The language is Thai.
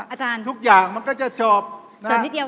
อาจารย์ทุกอย่างมันก็จะจบนะฮะเสริมนิดเดียวสิ